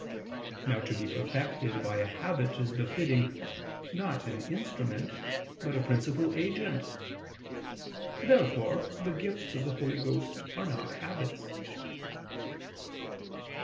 Now to be perfected by a habit is befitting, not an instrument, but a principal agent. Therefore the gifts of the Holy Ghost are not habits.